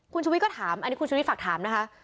คุณชุวิตก็ถามอันนี้คุณชุวิตฝากถามนะคะ